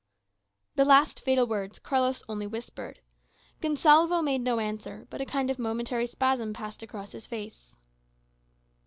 The last fatal words Carlos only whispered. Gonsalvo made no answer; but a kind of momentary spasm passed across his face.